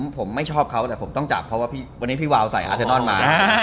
ผมไม่ชอบเขาแต่ผมต้องจับเพราะว่าวันนี้พี่วาวใส่อาเซนอนมา